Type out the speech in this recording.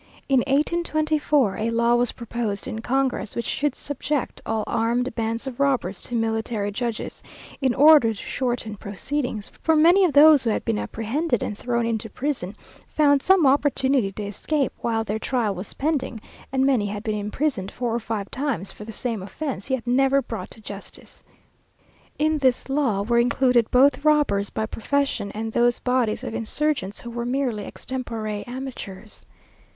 In 1824 a law was proposed in congress, which should subject all armed bands of robbers to military judges, in order to shorten proceedings, for many of those who had been apprehended and thrown into prison, found some opportunity to escape, while their trial was pending, and many had been imprisoned four or five times for the same offence, yet never brought to justice. In this law were included both robbers by profession and those bodies of insurgents who were merely extempore amateurs.